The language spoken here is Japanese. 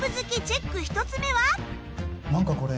何かこれ。